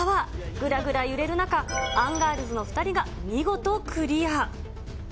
ぐらぐら揺れる中、アンガールズの２人が見事クリア。